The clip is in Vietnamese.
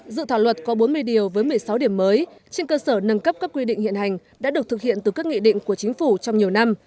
dự thảo luật có bốn mươi điều với một mươi sáu điểm mới trên cơ sở nâng cấp các quy định hiện hành đã được thực hiện từ các nghị định của chính phủ trong nhiều năm